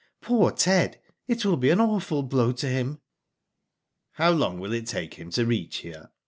Poor Ted, it will be an awful blow to him.'' *' How long will it take him to reach here